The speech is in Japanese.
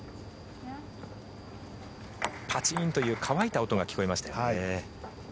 パチンという乾いた音が聞こえましたね。